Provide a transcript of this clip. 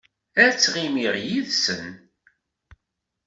Ad ttɣimiɣ yid-sen.